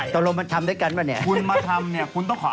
สรุปแล้วรายการบ้านโบแตกจะ